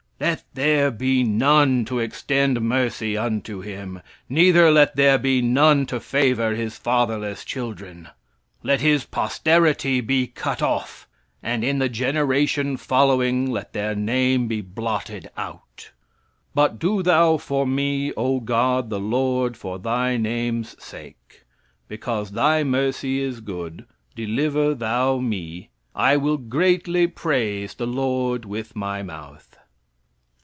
"Let there be none to extend mercy unto him; neither let there be none to favor his fatherless children. "Let his posterity be cut off; and in the generation following let their name be blotted out. "But do thou for me, O God the Lord, for Thy name's sake; because Thy mercy is good, deliver thou me.... I will greatly praise the Lord with my mouth."